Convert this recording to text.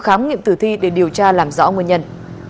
khám nghiệm tử thi để điều tra làm rõ nguyên nhân